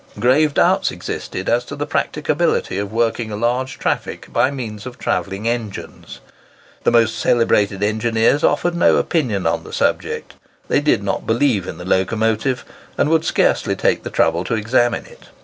Grave doubts existed as to the practicability of working a large traffic by means of travelling engines. The most celebrated engineers offered no opinion on the subject. They did not believe in the locomotive, and would scarcely take the trouble to examine it.